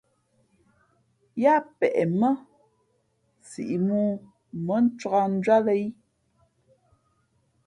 Yáá peʼ mά siʼ mōō mά mᾱncāk njwíátlᾱ í.